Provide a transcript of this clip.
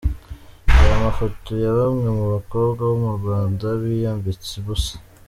Reba amafoto ya bamwe mu bakobwa bo mu Rwanda biyambitse ubusa .